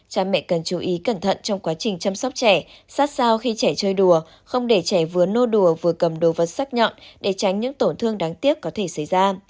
cha mẹ cần chú ý cẩn thận trong quá trình chăm sóc trẻ sát sao khi trẻ chơi đùa không để trẻ vừa nô đùa vừa cầm đồ vật sắc nhọn để tránh những tổn thương đáng tiếc có thể xảy ra